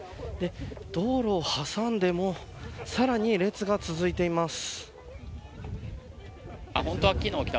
道路を挟んでもさらに列が続いています。